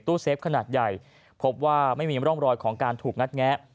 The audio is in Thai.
เฟฟขนาดใหญ่พบว่าไม่มีร่องรอยของการถูกงัดแงะ